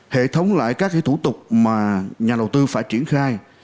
hệ thống lại các thủ tục mà nhà đầu tư phải triển khai